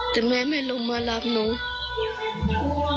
แต่แม่ไม่รู้มารับนุก